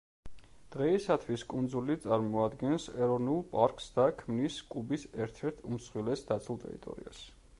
დღეისათვის კუნძული წარმოადგენს ეროვნულ პარკს და ქმნის კუბის ერთ-ერთ უმსხვილეს დაცულ ტერიტორიას.